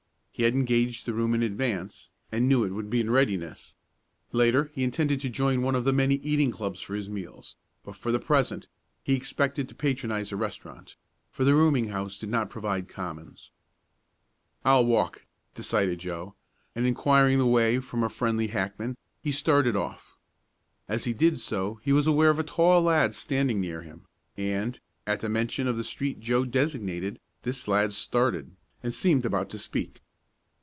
He had engaged the room in advance, and knew it would be in readiness. Later he intended to join one of the many eating clubs for his meals, but for the present he expected to patronize a restaurant, for the rooming house did not provide commons. "I'll walk," decided Joe, and, inquiring the way from a friendly hackman, he started off. As he did so he was aware of a tall lad standing near him, and, at the mention of the street Joe designated, this lad started, and seemed about to speak.